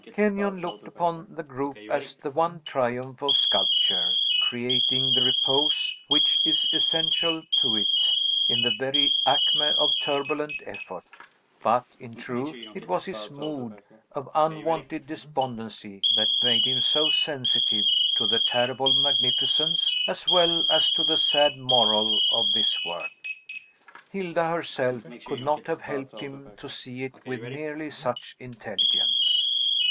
Kenyon looked upon the group as the one triumph of sculpture, creating the repose, which is essential to it, in the very acme of turbulent effort; but, in truth, it was his mood of unwonted despondency that made him so sensitive to the terrible magnificence, as well as to the sad moral, of this work. Hilda herself could not have helped him to see it with nearly such intelligence.